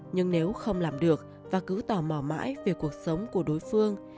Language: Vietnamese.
nhưng nếu không làm được và cứ tò mò mãi về cuộc sống của đối phương